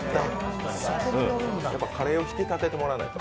やっぱカレーを引き立ててもらわないと。